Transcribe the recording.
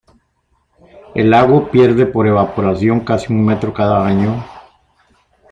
El lago pierde por evaporación casi un metro cada año.